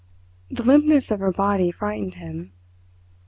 The limpness of her body frightened him.